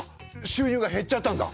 収入が減っちゃったんだ！